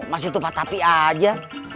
masih tupat tapi aja